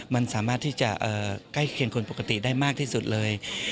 มันสามารถที่จะใกล้เคียงคนปกติได้มากที่สุดเลย